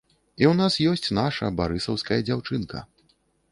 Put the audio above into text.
І ў нас ёсць наша, барысаўская дзяўчынка.